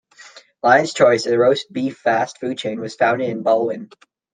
Lion's Choice, a roast beef fast food chain, was founded in Ballwin.